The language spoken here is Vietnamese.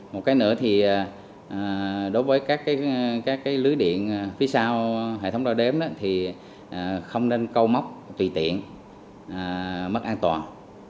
một cái nữa thì đối với các lưới điện phía sau hệ thống đo đếm thì không nên câu móc tùy tiện mất an toàn